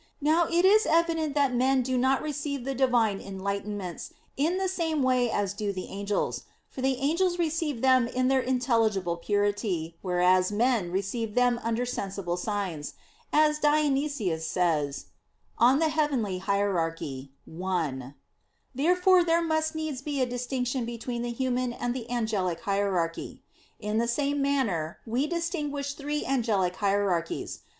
Now it is evident that men do not receive the Divine enlightenments in the same way as do the angels; for the angels receive them in their intelligible purity, whereas men receive them under sensible signs, as Dionysius says (Coel. Hier. i). Therefore there must needs be a distinction between the human and the angelic hierarchy. In the same manner we distinguish three angelic hierarchies.